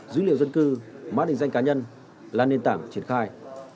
dữ liệu dân cư mã định danh cá nhân là nền tảng triển khai